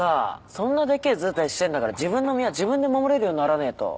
そんなでけえずうたいしてんだから自分の身は自分で守れるようにならねえと。